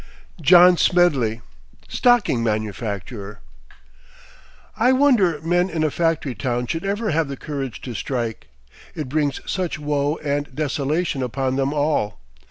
JOHN SMEDLEY, STOCKING MANUFACTURER. I wonder men in a factory town should ever have the courage to strike; it brings such woe and desolation upon them all.